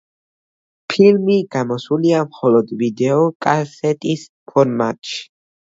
ფილმი გამოსულია მხოლოდ ვიდეოკასეტის ფორმატში.